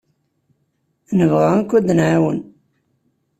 Nebɣa akk ad d-nɛawen.